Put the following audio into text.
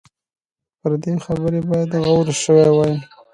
پر دې خبرې باید غور شوی وای.